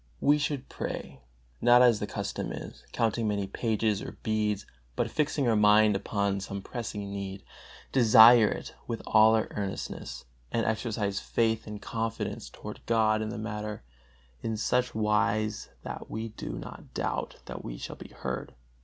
We should pray, not as the custom is, counting many pages or beads, but fixing our mind upon some pressing need, desire it with all earnestness, and exercise faith and confidence toward God in the matter, in such wise that we do not doubt that we shall be heard.